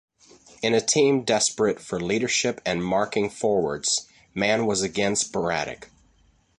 In a team desperate for leadership and marking forwards, Mann was again sporadic.